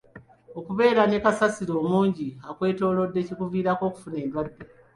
Okubeera ne kasasiro omungi akwetoolodde kikuviirako okufuna endwadde.